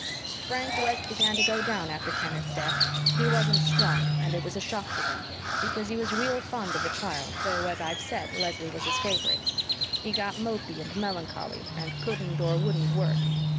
"Frank West began to go down after Kenneth's death. He wasn't strong and it was a shock to him, because he was real fond of the child, though, as I've said, Leslie was his favorite. He got mopy and melancholy, and couldn't or wouldn't work.